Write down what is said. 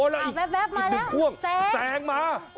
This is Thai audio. แป๊บมาแล้วแซงมา